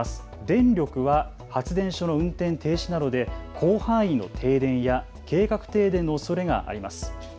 電力は発電所の運転停止などで広範囲の停電や計画停電のおそれがあります。